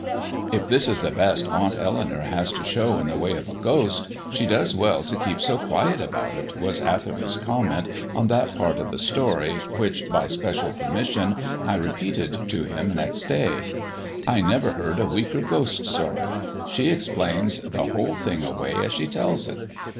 "If this is the best Aunt Eleanour has to show in the way of a ghost, she does well to keep so quiet about it," was Atherley's comment on that part of the story which, by special permission, I repeated to him next day. "I never heard a weaker ghost story. She explains the whole thing away as she tells it.